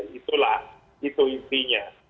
itulah itu intinya